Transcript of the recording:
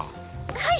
はい！